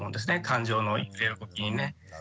感情の動きにね。